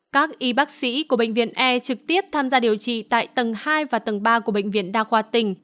các y bác sĩ của bệnh viện e trực tiếp tham gia điều trị tại tầng hai và tầng ba của bệnh viện đa khoa tỉnh